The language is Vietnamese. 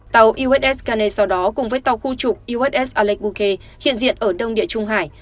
tàu uss kennedy sau đó cùng với tàu khu trục uss alec bouquet hiện diện ở đông địa trung hải